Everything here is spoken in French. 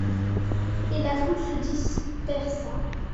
Et la foule se dispersa.